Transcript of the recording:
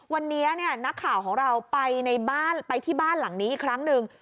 วันนี้นักข่าวของเราไปที่บ้านหลังนี้อีกครั้งนึง